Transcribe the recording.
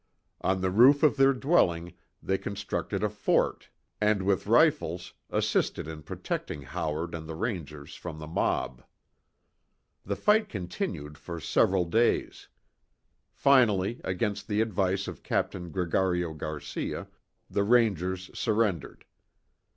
On the roof of their dwelling they constructed a fort, and with rifles, assisted in protecting Howard and the Rangers from the mob. The fight continued for several days. Finally, against the advice of Captain Gregario Garcia, the Rangers surrendered.